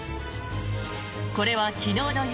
これは、昨日の夜